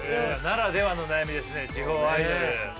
ならではの悩みですね地方アイドル。